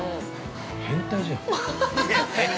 変態じゃん。